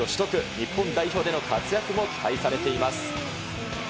日本代表での活躍も期待されています。